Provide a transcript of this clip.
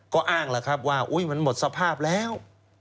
ก็อ้างแล้วครับว่ามันหมดสภาพแล้ว